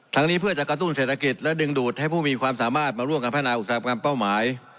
ทางนี้เพื่อจะกระตุ้นเศรษฐกิจและดึงดูดให้ผู้มีความสามารถมาร่วงกับภาคหน้าอุตสมัย